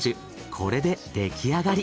これで出来上がり。